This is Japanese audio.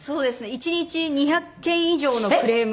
１日２００件以上のクレーム。